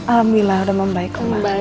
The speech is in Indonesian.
alhamdulillah udah membaik